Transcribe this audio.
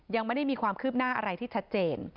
ยังไม่ได้มีความคืบหน้าอะไรที่ชัดเจน